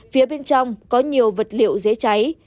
phía bên trong có nhiều vật liệu dễ cháy